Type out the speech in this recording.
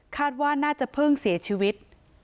ว่าน่าจะเพิ่งเสียชีวิต